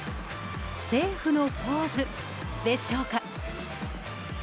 セーフのポーズでしょうか。